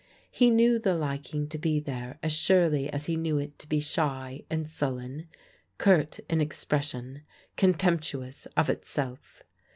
He knew the liking to be there as surely as he knew it to be shy and sullen, curt in expression, contemptuous of itself.